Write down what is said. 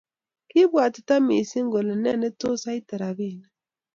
Kiipwatita mising kole ne netos aite rapinik